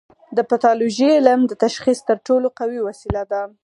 د پیتالوژي علم د تشخیص تر ټولو قوي وسیله ده.